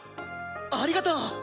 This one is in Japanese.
ありがとう！